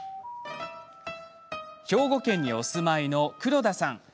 兵庫県にお住まいの黒田さん。